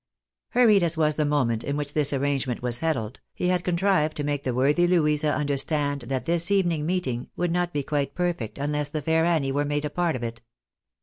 Hurried as was the moment in which this arrangement was settled, he had contrived to make the worthy Louisa understand that this evening meeting would not be quite perfect unless the fair Annie were made a party to it.